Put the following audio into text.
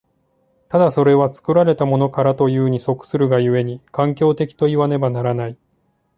ただそれは作られたものからというに即するが故に、環境的といわねばならない。